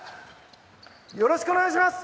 よろしくお願いします！